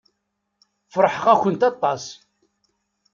Feṛḥeɣ-akent aṭas.